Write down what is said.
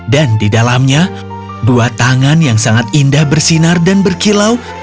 dan di dalamnya dua tangan yang sangat indah bersinar dan berkilau